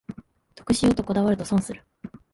得しようとこだわると損する